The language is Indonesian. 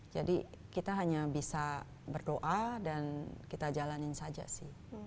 jadi kita hanya bisa berdoa dan kita jalanin saja sih